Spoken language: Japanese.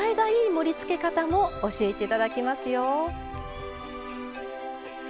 盛りつけ方も教えていただきますよ。